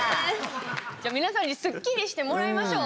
じゃあ、皆さんにスッキリしてもらいましょう。